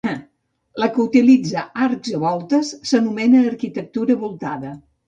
La que utilitza arcs o voltes s'anomena arquitectura voltada.